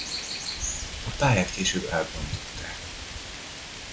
A pályát később elbontották.